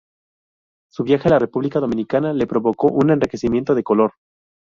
Su viaje a la República Dominicana le provocó un enriquecimiento de color.